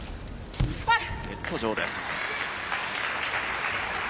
ネット上です。